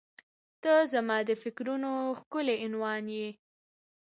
• ته زما د فکرونو ښکلی عنوان یې.